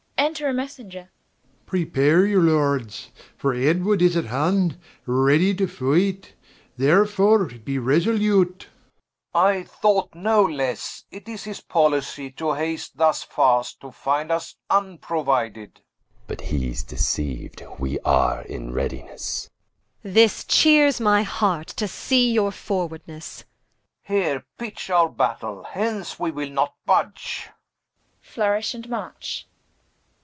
Enter a Messenger. Mess. Prepare you Lords, for Edward is at hand, Readie to fight: therefore be resolute Oxf. I thought no lesse: it is his Policie, To haste thus fast, to finde vs vnprouided Som. But hee's deceiu'd, we are in readinesse Qu. This cheares my heart, to see your forwardnesse Oxf. Here pitch our Battaile, hence we will not budge. Flourish, and march.